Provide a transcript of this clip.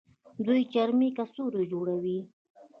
دوی چرمي کڅوړې جوړوي.